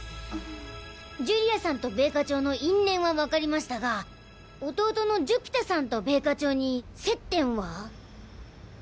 寿里亜さんと米花町の因縁はわかりましたが弟の寿飛太さんと米花町に接点は？